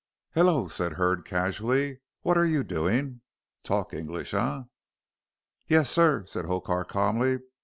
"Hullo," said Hurd, casually, "what are you doing. Talk English, eh?" "Yes, sir," said Hokar, calmly.